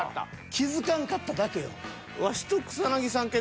気付かんかっただけよ。